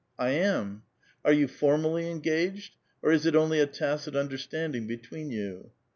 '' I am." "Are you formally engaged, or is it only a tacit under standing between you